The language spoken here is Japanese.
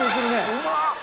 うまっ！